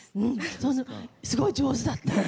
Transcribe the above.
すごい上手だった。